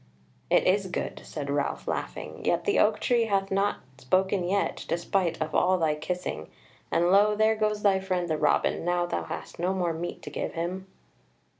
"It is good," said Ralph laughing, "yet the oak tree hath not spoken yet, despite of all thy kissing: and lo there goes thy friend the robin, now thou hast no more meat to give him."